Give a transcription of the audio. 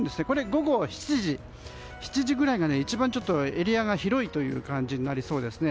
午後７時ぐらいがエリアが広いという感じになりそうですね。